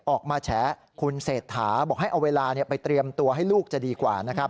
ออกมาแฉะคุณเศษฐาบอกให้เอาเวลาไปเตรียมตัวให้ลูกจะดีกว่า